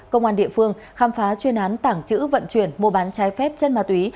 công an địa phương khám phá chuyên án tảng chữ vận chuyển mua bán trái phép chân ma túy